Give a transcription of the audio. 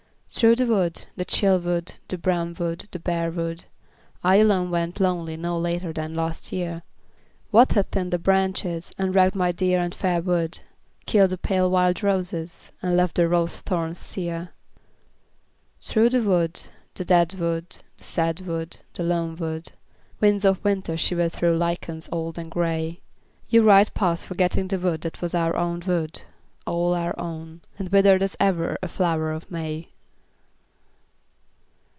Through the wood, the chill wood, the brown wood, the bare wood, I alone went lonely no later than last year, What had thinned the branches, and wrecked my dear and fair wood, Killed the pale wild roses and left the rose thorns sere ? Through the wood, the dead wood, the sad wood, the lone wood, Winds of winter shiver through lichens old and grey, You ride past forgetting the wood that was our own wood, All our own and withered as ever a flower of May.